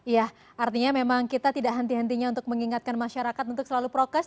ya artinya memang kita tidak henti hentinya untuk mengingatkan masyarakat untuk selalu prokes